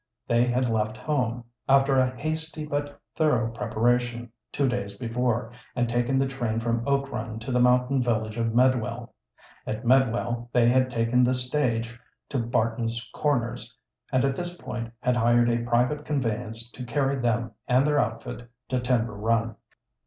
They had left home, after a hasty but thorough preparation, two days before, and taken the train from Oak Run to the mountain village of Medwell. At Medwell they had taken the stage to Barton's Corners, and at this point had hired a private conveyance to carry them and their outfit to Timber Run.